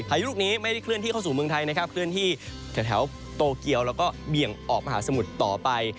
พายุลูกนี้ไม่ได้เคลื่อนที่เข้าสู่เมืองไทยนะครับเคลื่อนที่แถวโตเกียวแล้วก็เบี่ยงออกมหาสมุทรต่อไป